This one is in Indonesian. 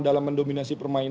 dalam mendominasi permainan